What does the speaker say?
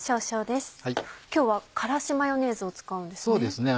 今日は辛子マヨネーズを使うんですね。